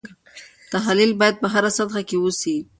تحلیل باید په هره سطحه کې وسي.